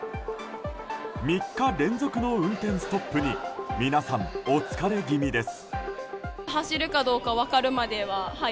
３日連続の運転ストップに皆さん、お疲れ気味です。